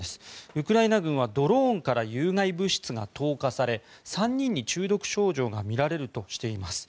ウクライナ軍はドローンから有害物質が投下され３人に中毒症状が見られるとしています。